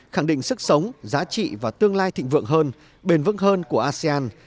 khẳng định sức sống giá trị và tương lai thịnh vượng hơn bền vững hơn của asean